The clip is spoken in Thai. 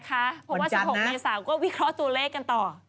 เพราะว่า๑๖เมษาก็วิเคราะห์ตัวเลขกันต่อ